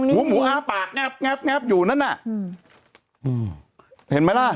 หัวหมูอ้าปากงับอยู่นั่นน่ะเห็นไหมล่ะ